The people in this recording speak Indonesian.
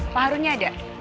pak harunnya ada